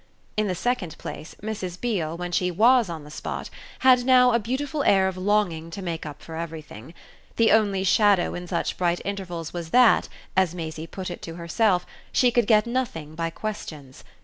In the second place Mrs. Beale, when she WAS on the spot, had now a beautiful air of longing to make up for everything. The only shadow in such bright intervals was that, as Maisie put it to herself, she could get nothing by questions.